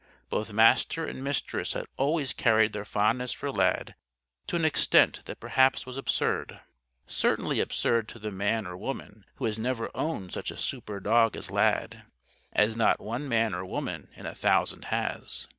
Both Master and Mistress had always carried their fondness for Lad to an extent that perhaps was absurd. Certainly absurd to the man or woman who has never owned such a super dog as Lad. As not one man or woman in a thousand has.